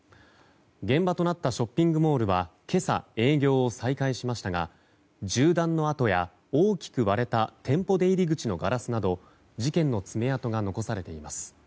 現場となったショッピングモールは今朝、営業を再開しましたが銃弾の痕や大きく割れた店舗出入り口のガラスなど事件の爪痕が残されています。